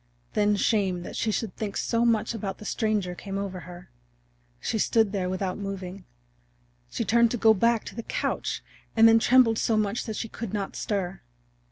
Then shame that she should think so much about the stranger came over her. She stood there without moving; she turned to go back to the couch, and then trembled so much that she could not stir.